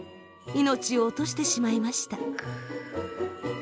命を落としてしまいました。